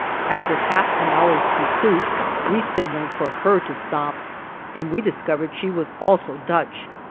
After half an hour's pursuit we signaled for her to stop, and we discovered she was also Dutch.